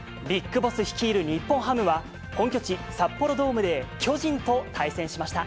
ＢＩＧＢＯＳＳ率いる日本ハムは、本拠地、札幌ドームで巨人と対戦しました。